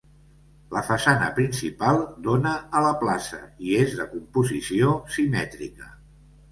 La façana principal dóna a la plaça i és de composició simètrica.